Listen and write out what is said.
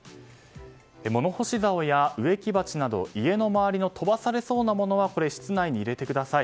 物干しざおや植木鉢など家の周りの飛ばされそうなものは室内に入れてください。